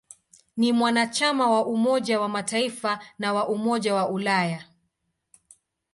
Ni mwanachama wa Umoja wa Mataifa na wa Umoja wa Ulaya.